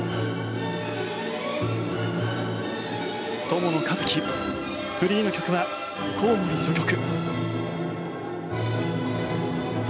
友野一希、フリーの曲は「こうもり」序曲。